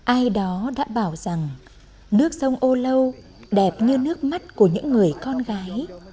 ai đó đã bảo rằng nước sông âu lâu đẹp như nước mắt của những người con gái